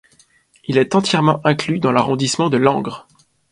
Il est entièrement inclus dans l'arrondissement de Langres.